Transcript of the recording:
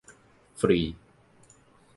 ฟรี !